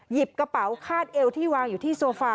หยิบกระเป๋าคาดเอวที่วางอยู่ที่โซฟา